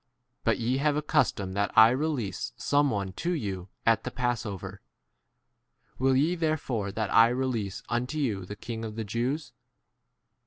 39 But ye have a custom that I re lease [some] one to you at the passover ; will ye therefore that I release unto you the king of the 40 Jews